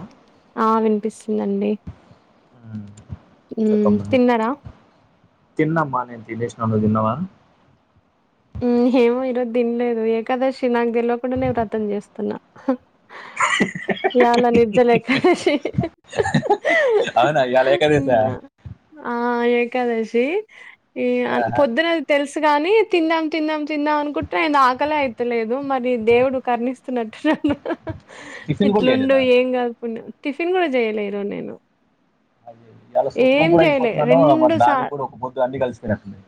ఆహ్. ఆహ్ వినిపిస్తుందండి. ఉమ్. ఉమ్ చెప్పమ్మా తిన్నారా. తిన్నమ్మా నేను తినష్నా నువ్వు తిన్నవా. ఏమో ఈరోజు తినలేదు ఏకాదశి నాకు తెెలివకుండానే వ్రతం చేస్తున్నా. ఇవాళ నిర్జల ఏకాదశి. అవునా ఇవాళ ఏకాదశ. ఆహ్ ఏకాదశి ఈ పొద్దున తెలుసు కాని. తిందాం తిందాం తిందాం అనుకుంటే ఆయిన ఆకలే అయితలేదు మరి దేవుడు కరణిస్తున్నట్టున్నాడు ఆహ్. టిఫిన్ కూడా ఇట్లుండు చేయలేదా ఏం కాదు పుణ్యం టిఫిన్ కూడా చేయలేదు ఈరోజు నేను. ఇయాల సూత్తనం ఏం కూడా చేయలే అయిపోతుందాన్నవుగా మరి రెండు సా దానికి కూడా ఒక పొద్దు అన్ని కలిసిపోయినట్టున్నాయి.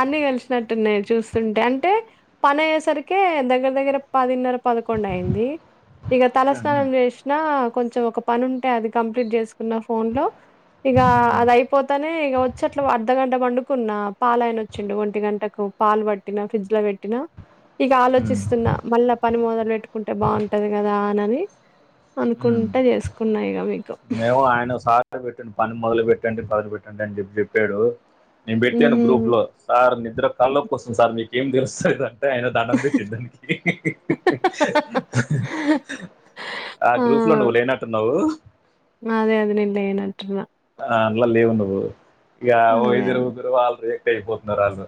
అన్ని కలిసినట్టున్నాయి చూస్తుంటే అంటే పని అయ్యేసరికే దగ్గర దగ్గర పదిన్నర. పదకొండు అయింది ఇగ ఉమ్, ఉమ్, తలస్నానం చేసిన. కొంచెం ఒక పని ఉంటే అది కంప్లీట్ చేసుకున్న ఫోన్ లో. ఇక ఉమ్, అదైయిపోతనే ఇగ వచ్చి అట్లా ఓ అర్ధగంట పండుకున్న పాలయన. వచ్చిండు ఒంటి గంటకు పాలు పట్టినా ఫ్రిడ్జ్ లో పెట్టినా. ఇక ఉమ్, ఆలోచిస్తున్నా మళ్ళా పని మొదలు పెట్టుకుంటే బాగుంటది కదాని. అనుకుంటా చేసుకున్నా ఇగ మీకు. మేము ఆయన సార్ పెట్టిండు పని మొదలు పెట్టండి మెదలు పెట్టండి అని చెప్పి చెప్పాడు. నేను పెట్టాను గ్రూప్ ఉహు లో సార్ నిద్ర తలనొప్పి వస్తుంది సార్ మీకేమి తెలుస్తది అని. అయన దండం పెట్టిండు దానికి. ఆహ్ గ్రూప్ లో ఆ నువ్వు లేనట్టున్నావ్. అదే అదే నేను లేనట్టున్న. అందులో నువ్వు ఇక ఇద్దురు ముగ్గురు వాళ్ళు రియాక్ట్ అయిపోతున్నారు అలు.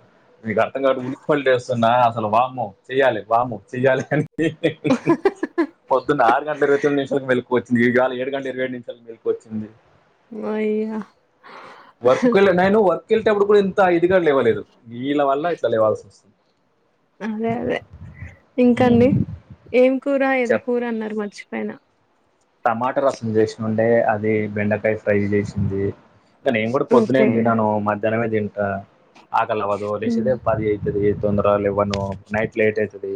మీకు అర్థం కావట్లే ఉలిక్కిపడి లేస్తున్నా అసలు వామో చెయాలి వామో చెయ్యాలి అని. పొద్దున్న ఆరు గంటల ఇరవై తొమ్మిదినిమిషాలకు వెెళుకువ వచ్చింది ఇవాళ ఏడు గంటల ఇరవై ఏడు నిమిషం. దగ్గు ఎక్కువ వచ్చింది అయ్యా వర్క్ కు వెళ్లలేదు నాయనో. కెళ్ళటప్పుడు కూడా ఇంత ఇదిగా లేవలేదు వీళ్ళా వల్ల ఇట్లా లేవాల్సి వస్తుంది. అదే అదే ఉమ్. ఇంకాండి ఏం కూర ఏదో చెప్ కూర అన్నారు మార్చి. పోయిన. టమాటా రసం చేసినుండే అది బెండకాయ ఫ్రై చేసింది. ఇంకా నేను కూడా పొద్దున ఓకే ఏం తిన్నాను మధ్యాహ్నమే తింటా. ఆకలి అవ్వదు ఉమ్, లేచిందే పది అయితది తొందరగా లేవ్వను నైట్ లేట్ అయితది.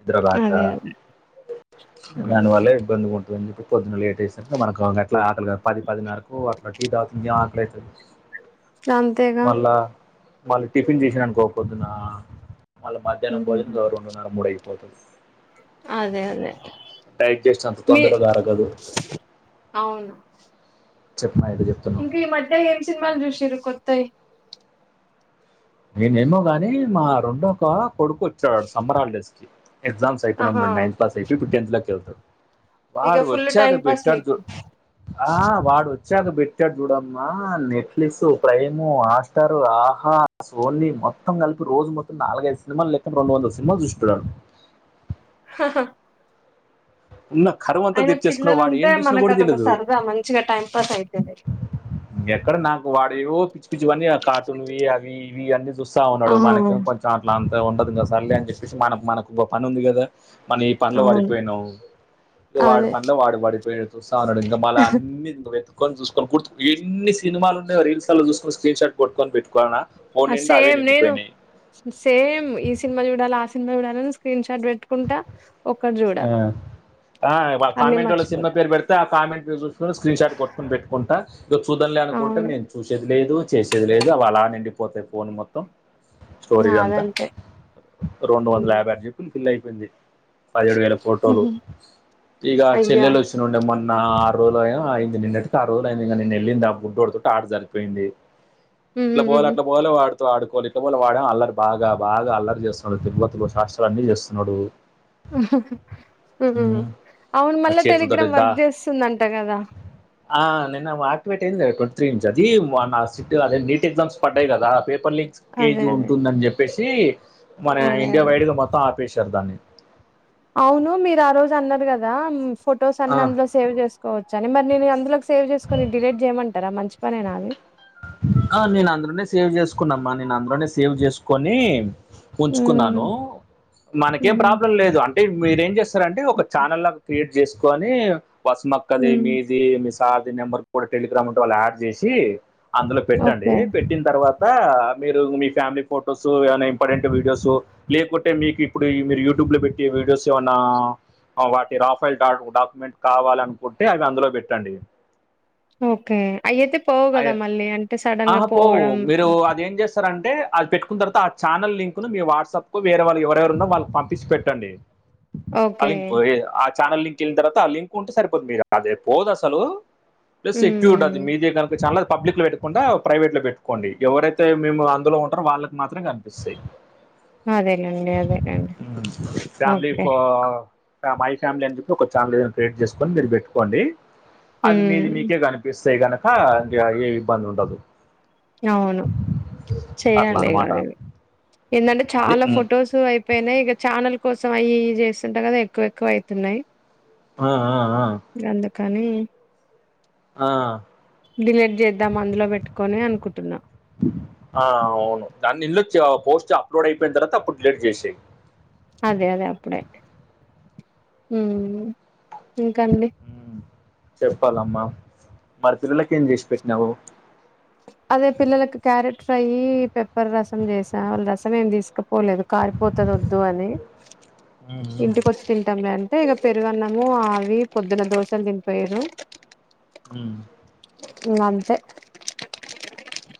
ఇప్పటిదాకా అదే అదే ఉమ్, దానివల్ల ఇబ్బంది ఉం. ఇప్పుడు పొద్దున లేటుగా లేచేసరికి మనం ఎట్లా ఆకలికాదు పది పదిన్నరకు అట్లా టీ తాగితే ఇంకం ఆకలి అయితది. అంతేగా. వాళ్ళు టిఫిన్ చేసిన అనుకో పోద్దున మళ్ళ మధ్యాహ్నం ఉమ్, భోజనం రెండున్నార మూడైతది. ఓకే. అదే అదే అంత మీ తొందరగా అరగదు అవును చెప్పిన అయితే చెప్తున్నాం ఇంకా ఈ మధ్య ఏం సినిమాలు చూషిరు కొత్తయి నేనేమో గాని మా రెండో ఒక కొడుకు వచ్చాడు సమ్మర్ హాల్ డెస్కి ఎగ్జామ్స్ ఆహా అయిపోన నైన్త్ క్లాస్ అయిపో టెన్తలోకి వెళ్తారు ఇక వాడు ఫుల్ వచ్చాక టైం పాస్ పెట్టాడుదు మీకు ఆ వాడు వ వచ్చాక పెట్టాడు చూడమ్మా నెట్ఫ్లెఫ్లిస్ ప్రైమ్ హస్టార్ ఆహ ఆస్ ఓన్లీ మొత్తం కలిపి రోజు మొత్తం నాలుగైదు సినిమాలు లేక్క రెండు వందల సినిమాలు చూస్తున్నాడు ఆ ఉన్న కరువు అంతా తెచ్చేసుకున్న పిల్లలు వాడు ఉంటే ఏం చూసినా మనకు కూడా అదొక తెలియదు సరదా మంచిగా టైం పాస్ అవుతుంది ఎక్కడ నాకు వాడేవో పిచ్చి పిచ్చివన్ని కార్టూన్వి అవి ఇవి అన్నీ చూస్తా ఉన్నడు ఆహా, మనకు కొంచెం అట్లా అంత ఉండదు కదా సర్లే అని చెప్పేసి మనం మనకు ఒక పని ఉంది కదా మన ఈ పనిలో అవును పడిపోయినప్పు ఇ వాడి అదే పనిలో వాడి పడిపోయి చూస్తాన్నడు ఇంకా మళ్ళీ అన్ని పెట్టుకని చూసుకొనిర్ ఎన్ని సినిమాలున్నా రీల్స్ లో చూసుకోని స్క్రీన్షాట్ కొట్టుకని పెట్టుకోవాల ఆ సేమ్ లేవ్ సేమ్ ఈ సినిమా చూడాల సినిమా చూడాలని స్క్రీన్ షాట్ పెట్టుకుంటా ఒక్కటి చూడా ఆ అన్ని కామెంట్ వాళ్ళ సినిమా మర్చిపోతా పేరు పెడితే ఆ కామెంట్ పేరు చూ స్క్రీన్ షాట్ కొట్టుకుని పెట్టుకుంటా ఇగో చూద్దంలే అనుకుంటే అవును నేను చూసేది లేదు చేసేది లేదు అళ నిండిపోతాయి ఫోన్ మొత్తం స్టోరేజ్ అంతా నాదంతే రెండు వందల యాభై ఆరు ఉహు. చెప్పంది ఫిల్ అయిపోయింది పదిహేడు వేల ఫోటోలు ఇగ అయ్యా చెల్లెలు వచ్చి ఉండే మన నా ఆ రోజులు అ అయింది నిన్నటికి ఆరోజులు అయింది నిన్న వెళ్ళింది ఆ బుడ్డుడుతు ఆడ సరిపోయింది ఇట్లా బోలే ఉమ్మ్. అట్లా బోలే వాడుతు ఆడుకో ఇకపోల వాడడం అల్లరి బాగా బాగా అల్లరి చేస్తున్నాడు తిరుపతిలో శస్త్రాలు అన్ని చేస్తున్నాడు ఉమ్మ్. ఉమ్, అవును ఆ మళ్ళా చేతులతో టెలిగ్రామ్ దా వర్క్ చేస్తుందంట కదా ఆ నిన్న ఆక్వేట్ అయింది ట్వంట్ త్రీ ఇంచస్ అది సిట్ అదే ఎగ్జామ్స్ పడ్డాయి కదా పేపర్ లీక్స్ అదే కేజ్ అదే ఉంటుందని చెప్పేసి మన అదే ఇండియా అదే వైడ్గా మొత్తం ఆపేశారు దాన్ని అవును మీరు ఆ రోజు అన్నరు కదా ఫొటోస్ ఆ, అన్ని అందులో సేవ్ చేసుకోవచ్చ అని మరి నే అందులో సేవ్ చేసుకుని డిలీట్ చేయమంట టారా మంచి పనేనా అది ఆ నేను అందులోనే సేవ్ చేసుకున్నామ్మా నేను అందులోనే సేవ్ చేసుకొని హ్మ్. ఉంచుకున్నాను మనకేం హ్మ్. ప్రాబ్లం లేదు అంటే మీరు ఏం చేస్తారంటే ఒక ఛానల్లాగా క్రియేట్ చేసుకో కని వసు మక్కది హ్మ్. మీది మి కాది నెంబర్ కూడా టెలిగ్రామ్ ఉంటే వాళ్ళు యాడ్ చేసి అందులో పెట్టండి ఓకే పెట్టిన తర్వాత మీరు మీ ఫ్యామిలీ ఫొటోస్ ఏనా ఇంపార్టెంట్ వీడియోస్ లేకుంటే మీకు ఇప్పుడు మీరు యూట్యూబ్ లో పెట్టి వీడియోస్ ఏమన్నా వాటి రఫైల్ డాక్యుమెంట్ కావాల అనుకుంటే అవి అందులో పెట్టండి ఓకే అయితే పోవు కదా అవి మళ్ళీ అంట ఆహా పోవు మీరు అదేంటి చేస్తార అంటే అది పెట్టుకున్న తర్వాత ఆ ఛానల్ లింక్ ను మీ వాట్సాప్ కు వేర వాళ్ళు ఎవరెవరు ఉన్నా వాళ్ళకి పంపించి పెట్టండి. ఆ ఓకే లింక్ ఆ ఛానల్ లింక్ వెళ్ళిన తర్వాత ఆ లింక్ ఉంటే సరిపోతుంది మీరు అదే పోదు అసలు ప్లస్ ఎ్యూ అది హ్మ్ మీది కను చాల పబ్లిక్ లో కుండా ప్రైవేట్ లో పెట్టుకోండి ఎవరైతే మేము అందులో ఉంటారో వాళ్ళకి మాత్రమే కనిపిస్తాయి అదేలేండి అదేలేండి ఫ్యాలీ ఓకే ఫో మై ఫ్యామిలీ అని చెప్పి ఒకఛానల్ ఏదైన క్రియేట్ చేసుకని మీరు పెట్టుకోండి అది మీది హ్మ్ మీకే కనిపిస్తాయి గనుక ఇగ ఏ ఇబ్బంది ఉండదు అవును అట్లా చెయాలి అన్నమాట. గదే ఏందంటే అది చాలా హ్మ్. ఫొటోస్ అయిపోయినాయి ఇగ ఛానల్ కోసం అవి ఇవి చేస్తుంటా కదా ఎక్కువ ఎక్కువ అయితున్నాయి ఆ ఆ ఆ కానీ ఆ డిలీట్ చేద్దాం అందులో పెట్టుకొని అనుకుంటున్నా ఆ అవును దాన్నిలోచ్చి ఆ పోస్ట్ అప్లోడ్ అయిపోయిన తర్వాత అప్పుడు డిలీట్ చేసేయి అదే అదే అప్పుడే ఊ చెప్పాలమ్మా మరి పిల్లలలకు ఏం చేసి పెట్టినావు అదే పిల్లలకు క్యారెట్ ఫ్రై పెప్పర్ రసం చేసా వాళ్ళ రసం ఏమి తీసుకో పోలేదు కారిపోతది వద్దు అని ఉమ్, ఉమ్, ఇంటికొచ్చి తింటాంలే అంటే ఇగ పెరుగున్నాము ఆ పొద్దున్న దోసలు తినిపోయిరు ఉ ఇంగ అంతే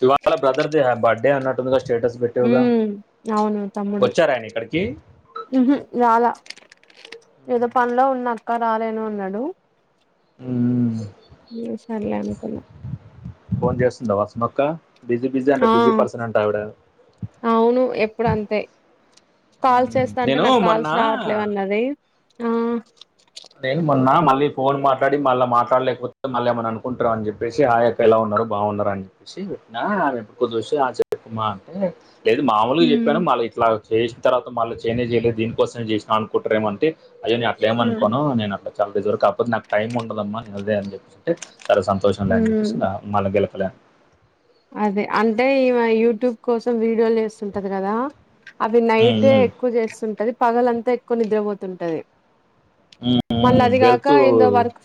ఇవాళ బ్రదర్ది బర్డే అన్నట్టుంది గా ఉ అవును తమ్ముడు వచ్చారు ఆయన ఇక్కడికి ఉహు రాలా ఏదో పనిలో ఉన్న అక్క రాలేను అన్నాడు ఉమ్, సరలే అనుకున్నా ఫోన్ చేస్తుంద వసుమక్క బిజి బిజి అంట ఆ బిజి పర్సన్ అంట అవిడ అవును ఎప్పుడు అంతే కాల్స్ చేస్తాంటే నాకు కాల్స్ రావట్లేవ అన్నది ఆ అదే మొన్నా మళ్ళీ ఫోన్ మాట్లాడి మళ్ళీ మాట్లాడలేకపోతుంటే మళ్ళీ ఏమైన అనుకుంటారెమో అని చెప్పేసి హై అక్క ఎలా ఉన్నా బాగున్నారా అని చెప్పేసి పెట్టిన ఆమె కుదొసి ఆ చెప్పు మా అంటే లేదు మామూలుగా హ్మ్ చెప్పాను మళ్ళీ ఇట్లా చేసిన తర్వాత మళ్ళీ చేయనే చేయలేదు దీనికోసమే చేసినాను అనుకుంటారేమో అంటె అయ్య నే అట్లా ఏం అన్ హ్మ్ అట్డ చాల డేస్ వరకు అబ్బదు నాకు టైమ్ ఉండదమ్మాదే అని చెప్ప అంటే సరే సంతోషం లే అని చెప్పేసి ఇంగ హ్మ్. మల్ల గెలకలే అదే అంటే ఈమా యూట్యూబ్ కోసం వ వస్తుంటది కదా అవి ఉమ్, నైటె ఉమ్, ఎక్కువ చేస్తుంటది పగలంతా ఎక్కువ నిద్రపోతుంటది ఉమ్, మళ్ళీ ఉమ్, అది కాక వెళ్తూ ఏందో వర్క్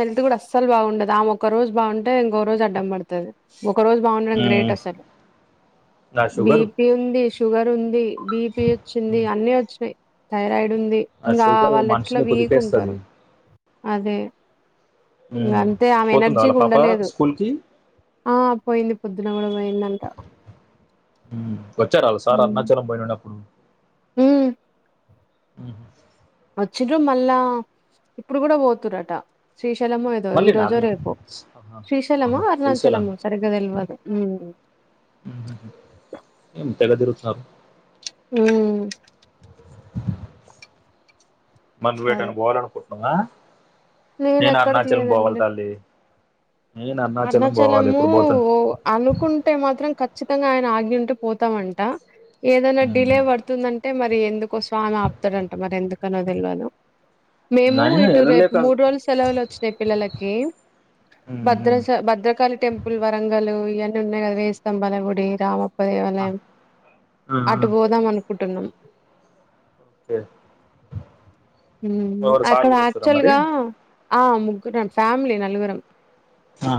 హెల్త్ కూడా అస్సలు బాగుండదు ఆమె ఒక్క రోజు బాగుంటే ఇంకో రోజు అడ్డం పడుతది ఒక రోజు బాగుండడం గ్రేట్ ఉమ్, అసలు నా షుగరు బీపీ ఉంది షుగర్ ఉంది బిపి వచ్చింది ఉమ్, అన్ని వచ్చినాయి థైరాయిడ్ ఉంది నా ఇంకా షుగర్ వాళ్ళు ఎట్లా మనిషిని వీక్ కుదిపేస్తుంది ఉంటారు అదే ఇంగ అంతే ఆమె పోతుందా ఎనర్జీకి వాళ్ళ పాప ఉండలేదు స్కూల్కి ఆ పోయింది పొద్దున కూడా పోయిందంట వచ్చారా సార్ అరుణాచలం పోయినడు ఉ ఉ వచ్చిన్రు మళ్ళా ఇప్పుడు కూడా పోతురట శ్రీశలము ఏదో ఈ మళ్ళీ రోజో నాన్న రేపు శ్రీశైలము శ్రీశైలం అరుణాచలము సరిగ్గా తెల్వదు ఏ తెగదిరునబ్ అ మరి నువ్వ్ ఏటైనా పోవాల అనుకుంటున్నావా నేను ఎక్కడికి అరుణాచలం పోవాలి లేదండి తల్లి నేను అరుణాచలం పోవాలి అరుణాచలము ఇప్పుడు పోతాను అనుకుంటే మాత్రం ఖచ్చితంగా ఆయన ఆగింటే పోతామంట ఏదైనా మ్మ్. డిలే పడుతుందం అంటే మరి ఎందుకో స్వామి ఆపుతాడంట మరి ఎందుకనో తెల్వదు మేము నేను ఇటు రేపు వెళ్ళలేక మూడు రోజులు సెలవులు వచ్చినాయి పిల్లలకి మ్మ్, భద్రా మ్మ్. భద్రకాళి టెంపుల్ వరంగలు ఇయన్నీ ఉన్నాయి కదా వేయిస్తాంబల గూడి రామం ఆ, ఒకదేవళయం ఆ, ఆ. అటు పోదాం అనుకుంటున్నాం ఓకే ఎవరు సార్ అక్కడ కూడా వస్తారా మరి యాక్చువల్గా ఆ ముగ్గురం ఫ్యామిలీ నలుగురం ఆ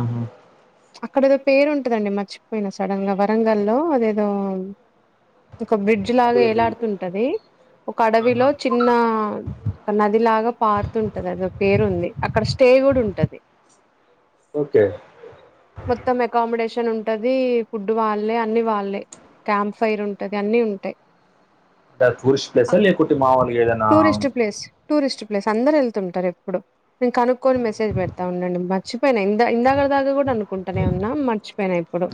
అక్కడ ఏదో పేరు ఉంటదండి మర్చిపోయిన సడన్ గా వరంగల్లో అదేదో ఒక బ్రిడ్జ్ నాకు లాగా తెలియదు ఏలాడుతుంటది ఒక ఆహా. అడవిలో చిన్న నది లాగా పారుతుంటది అది పేరు ఉంది అక్కడ స్టే కూడ ఉంటది ఓకే కొత్త మెకానిషన్ న్ ఉంటది ఫుడ్ వాళ్ళే అన్ని వాళ్ళే క్యాంప్ ఫైర్ ఉంటది అన్ని ఉంటాయి టూరిస్ట్ ప్లేస్ ఆ, లేకుంటే మామూలుగా ఏదైనా టూరిస్ట్ ప్లేస్ టూరిస్ట్ ప్లేస్ అందరుూ వెళ్తుంటారు ఎప్పుడు నేను కనుక్కొని మెసేజ్ పెడతా ఉండండి మర్చిపోయినా ఇందా ఇందాక దాగా కూడా అనుకుంటూనే ఉన్నా మర్చిపోయినా ఇప్పుడు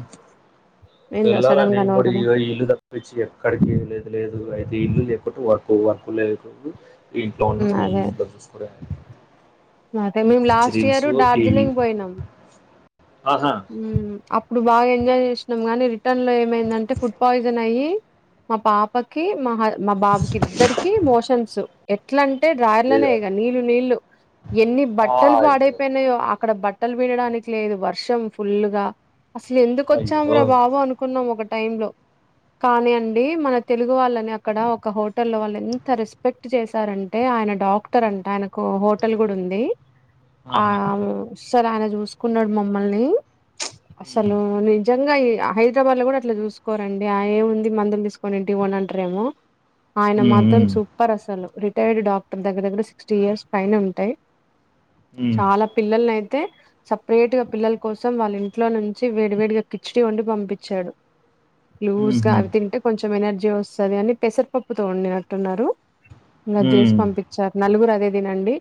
ఏందో వెళ్ళాల సడన్ గా నేం కూడా నోరులో ఇ ఇల్లు తప్పించి ఎక్కడికి లేదు లేదు అయితే ఇల్లు వర్క్ వర్క్ లేప్పుడు ఈ ఇంట్లో ఉన్నాం ఈ ఇంట్లో చూసుకు అదె మేము లాస్ట్ ఇయరు టీవీ డార్జిలింగ్ పోయినాం ఆహా అప్పుడు బాగా ఎంజాయ్ చేసినాం గాని రిటర్న్ లో ఏమైందంటే ఫుడ్ పాయిజన్ అయ్యి మా పాపకి మా మా బాబుకి ఇద్దరికి మోషన్స్ ఎట్లాం డ్రయర్లనే అయ్యో ఇగ నీళ్లు నీళ్లు ఎన్ని ఆ, బట్టలు అయ్యో పాడైపోయినాయో అక్కడ బట్టలు పిండడానికి లేదు వర్షం ఫుల్గా అసలు ఎందుకు అయ్యో వచ్చామురా బాబు అనుకున్నాం ఒక టైంలో కానీ అండి మన తెలుగు వాళ్ళని అక్కడ ఒక హోటల్లో వాళ్ళు ఎంత రెస్పెక్ట్ చేశారంటే ఆయన డాక్టర్ అంట ఆయనకు హోటల్ కూడా ఉంది ఆహా ఆసలు ఆయన చూసుకున్నాడు మమ్మల్ని ఉమ్, అసలు నిజంగాయి హైదరాబాద్ లో కూడా అట్లా చూసుకోరండి ఆ ఏముంది మందులు తీసుకొని ఇంటికి పోండి అంటారేమో ఆయన ఉమ్, మాత్రం ఉమ్, సూపర్ అసలు రె రిటైర్డ్ డాక్టర్ దగ్గర దగ్గర సిక్స్టీ ఇయర్స్ పైైన ఉంటాయి ఉమ్, చాలా పిల్లలని అయి తే సపరేట్ గా పిల్లల కోసం కోసం వాళ్ళ ఇంట్లో నుంచి వేడి వేడిగా కిచడి వండి పంపించాడు లూజ్గా ఉమ్హు, అవి తింటే కొంచెం ఎనర్జీ వస్తది అని పెసరపప్పుతో వండినట్టున్నారు ఇంగ అది చేసి ఉమ్, పంపించారు నలుగురు అదే తినండి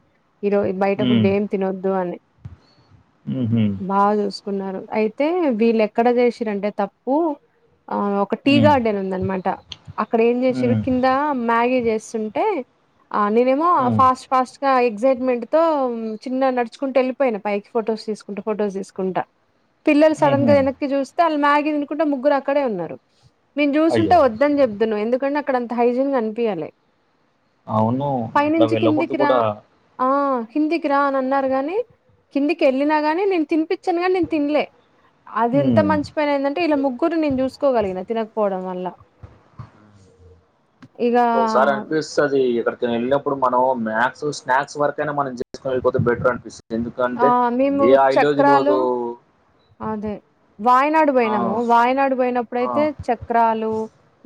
ఈరోజ బయటపుడ్ ఏం తినొద్దు అని ఉహు సుకున్నారు అయితే వీళ్ళ ఎక్కడ చేసిరంటే తప్పు ఆ ఒక టీ ఉమ్, గార్డెన్ ఉంద అనమాట అక్కడ ఏం చేసిరు ఉమ్, కింద మ్యాగీ చేసి టే నేనేమో ఉమ్, ఫాస్ట్ ఫాస్ట్ గా ఎక్సైట్మెంట్ తో చిన్నగ నడుచుకుంటూ వెళ్ళిపోయినా పైకి ఫొటోస్ తీసుకుంటా ఫొటోస్ తీసుకుంటా పిల్లలు సడన్ గా ఉమ్హు. వెనక్కి చూస్తే వాళ్ళ మ్యాగీ తినుకుంటే ముగ్గురు అక్కడే ఉన్నారు మేను అయ్యో చూసుంటే వద్దని చెబుదుని ఎందుకంటే అక్కడ అంత హైజీన్ అనిపియ్యలే అవును అట్లా పైనించి వెళ్ళకూడదు కిందికిరా కూడా ఆ కిందికి రా అని అన్నారు గాని కిందికి వెళ్ళినా గాని నేను తినిపించను గాని తిన్లే అది ఎంత ఉమ్, మంచి పనైందంటే ఇలా ముగ్గురు నేను చూసుకోగలిగిన తినకపోవడం వాళ్ళ ఒకసారి అనిపిస్తుంది ఇక్కడికి వెళ్ళినప్పుడు మనం మాక్స్ స్నాక్ వరకైనా మనం చేసుకోనీవేలిపోతే బెటర్ అనిపిస్తుంది ఆ ఎందుకంటే మేము ఏ ఆయిలో చక్రాలు తెల్వదు అదే వాయనాడు ఆ పోయినాము వాయనాడు పోయినప్పుడుయితే ఆ చక్రాలు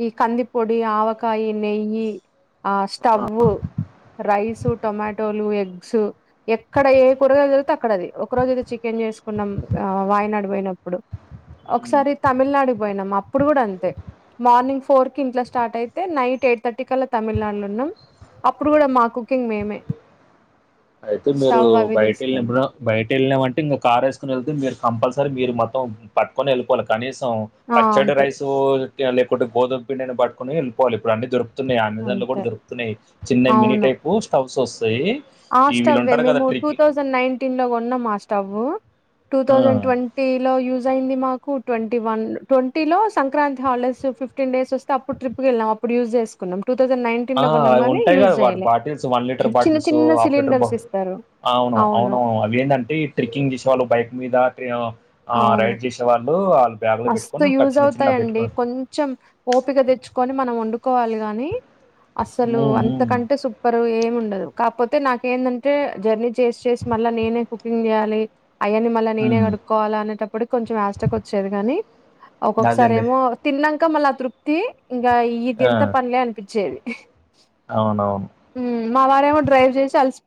ఈ కందిపొడి ఆవకాయ నెయ్యి ఆ స్టవ్వు రైస్ టొమాటోలు ఎగ్స్ ఎక్కడ ఏ కూరగాయలు జతే అక్కడ అది ఒక రోజు అయితే చికెన్ కెన్ చేసుకున్నాం ఆ వాయినాడు పోయినప్పుడు హ్మ్ ఒకసారి తమిళనాడుకి పోయినాం అప్పుడు కూడా అంతే మార్నింగ్ ఫోర్ కి ఇంట్లో స్టార్ట్ అయితే నైట్ ఎయిట్ థర్టీ కలా తమిళనాడులో ఉన్నాం అప్పుడు కూడా మా కుకింగ్ మేమే అయితే మీరు స్టవ్ అవి బయట తీసుకెళ్ళి వెళ్ళినప్పుడు బయట వెళ్ళినామంటే ఇంకా కార్ వేసుకుని వెళ్తే మీరు కంపల్సరీ మీరు మొత్తం పట్టుకొని వెళ్ళిపోవాలి కనీసం ఆ పచ్చడి అంతే రైసు లేకుంట గోధుమ పిండిని పటుకొని వెళిపోలి ఇప్పు డు అన్నీ యి అమెజాన్ లో అంతే కూడా దొరుకుతున్నాయి చిన్న మిని అవును టైప్ స్టవ్స్ వస్తాయి ఆ ఈ వీళ్ళు స్టవే ఉంటారు కదా మేము టూ ట్రిక్ థౌజండ్ నైన్టీన్ లో కొన్నాం ఆ స్టవ్ టూ ఆ థౌజండ్ ట్వంటీ లో యూజ్ అయింది మాకు టూ ట్వంటీ వన్ ట్వంటీ లో సంక్రాంతి హాలిడేస్ ఫిఫ్టీన్ డేస్ వస్తే అప్పుడు ట్రిప్కి వెళ్ళాం అప్పుడు యూజ్ చేసుకున్నాం టూ థౌజండ్ నైన్టీన్ ఆ లో కొన్నాం అవి గానీ ఉంటాయి యూజ్ కదా వాటి చేయలే బాటిల్స్ వన్ లీటర్ చిన్న బాటిల్స్ సో చిన్న హాఫ్ లీటర్ బ సిలిండర్స్ ఇస్తారు అవును అవునవు అవి ఏంటంటే ట్రెకింగ్ చేసేవాళ్ళు బైక్ మీద ట్రేయో అవును రైడ్ చేసే వాళ్ళు మస్తు యూజ్ అవుతాయిండి కొంచెం ఓపిక తెచ్చుకో ని మనం వండుకోవాలి గాని అసలు హ్మ్. హ్మ్. అంతకంటే సూపర్ ఏమి ఉండదు కాకపోతే తే నాకేంటంటే జర్నీ చేసి చేసి మళ్ళా నేనే కుకింగ్ చేయాలి అయ్యని మళ్ళీ నేనే హ్మ్. కడుక్కోవాల అనేటప్పుడు కొంచెం ఆస్టక్ వచ్చి కానీ ఒక్కొక్కసారి అదేలే. ఏమో తిన్నాక మళ్ళా ఆ తృప్తి ఇంకా ఇది ఆ! ఎంత పంన్లే అనిపించేది అవునవును. మా వారేమో డ్రైవ్ చేసి అలిసి